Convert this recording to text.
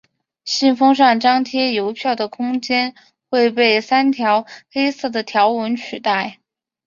信封上张贴邮票的空间会被三条黑色的条纹取代。